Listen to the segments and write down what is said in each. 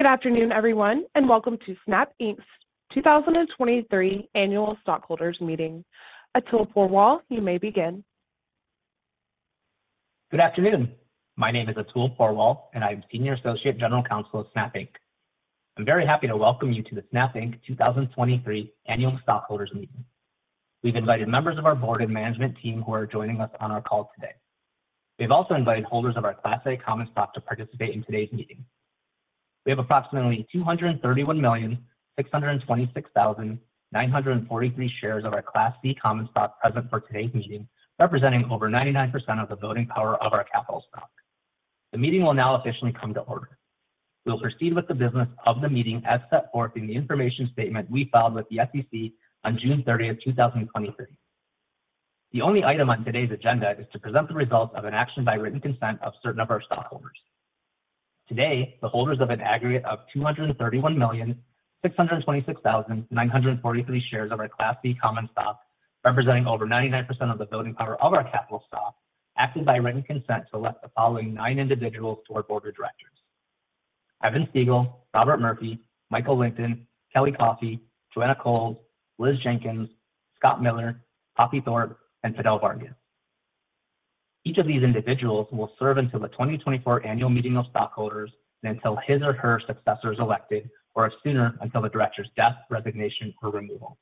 Good afternoon, everyone, and welcome to Snap Inc's 2023 Annual Stockholders Meeting. Atul Porwal, you may begin. Good afternoon. My name is Atul Porwal, and I'm Senior Associate General Counsel of Snap Inc. I'm very happy to welcome you to the Snap Inc. 2023 Annual Stockholders Meeting. We've invited members of our board and management team who are joining us on our call today. We've also invited holders of our Class A common stock to participate in today's meeting. We have approximately 231,626,943 shares of our Class C common stock present for today's meeting, representing over 99% of the voting power of our capital stock. The meeting will now officially come to order. We'll proceed with the business of the meeting as set forth in the information statement we filed with the SEC on June 30, 2023. The only item on today's agenda is to present the results of an action by written consent of certain of our stockholders. Today, the holders of an aggregate of 231,626,943 shares of our Class C common stock, representing over 99% of the voting power of our capital stock, acted by written consent to elect the following nine individuals to our board of directors: Evan Spiegel, Robert C. Murphy, Michael M. Lynton, Kelly Coffey, Joanna Coles, Elizabeth Jenkins, Scott D. Miller, Poppy Thorpe, and Fidel Vargas. Each of these individuals will serve until the 2024 annual meeting of stockholders, and until his or her successor is elected, or sooner until the director's death, resignation, or removal.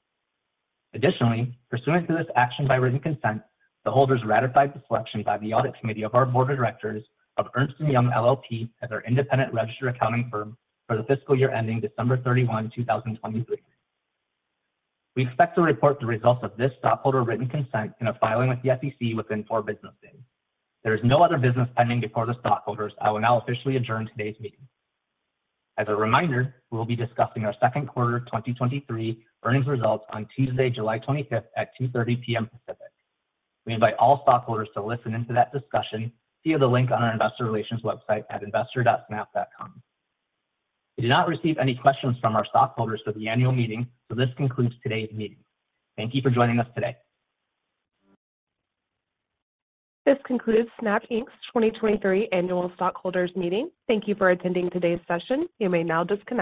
Additionally, pursuant to this action by written consent, the holders ratified the selection by the Audit Committee of our Board of Directors of Ernst & Young LLP as our independent registered accounting firm for the fiscal year ending December thirty-one, two thousand and twenty-three. We expect to report the results of this stockholder written consent in a filing with the SEC within four business days. There is no other business pending before the stockholders. I will now officially adjourn today's meeting. As a reminder, we will be discussing our second quarter 2023 earnings results on Tuesday, July twenty-fifth at 2:30 P.M. Pacific. We invite all stockholders to listen in to that discussion via the link on our investor relations website at investor.snap.com. We did not receive any questions from our stockholders for the annual meeting, so this concludes today's meeting. Thank you for joining us today. This concludes Snap Inc's 2023 Annual Stockholders Meeting. Thank you for attending today's session. You may now disconnect.